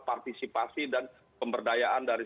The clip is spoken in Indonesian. partisipasi dan pemberdayaan dari